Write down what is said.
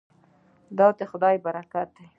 دا د خدای برکت دی.